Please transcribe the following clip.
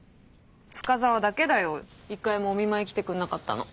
深澤だけだよ一回もお見舞い来てくんなかったの。